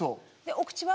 お口は？